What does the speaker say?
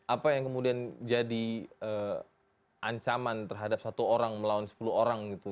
apa yang kemudian jadi ancaman terhadap satu orang melawan sepuluh orang gitu